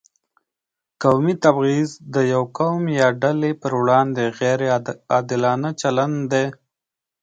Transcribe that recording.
قومي تبعیض د یو قوم یا ډلې پر وړاندې غیر عادلانه چلند دی.